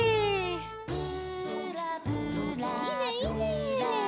いいねいいね。